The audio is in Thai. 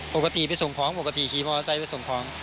ปกติไปส่งของปกติขี่มอไซค์ไปส่งของ